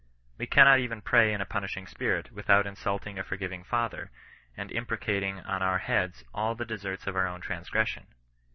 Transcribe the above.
We cannot even pray in a punishing spirit, without insulting a forgiving Father, and imprecating on our heads all the deserts of our own transgression.